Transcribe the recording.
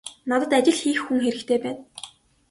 Надад ажил хийх хүн хэрэгтэй байна.